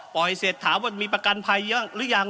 ปล่อยเสร็จถามว่ามีประกันภัยหรือยัง